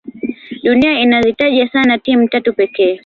dunia inazitaja sana timu tatu pekee